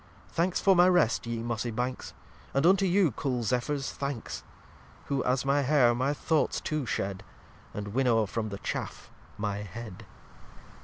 Thanks for my Rest ye Mossy Banks, And unto you cool Zephyr's Thanks, Who, as my Hair, my Thoughts too shed, And winnow from the Chaff my Head.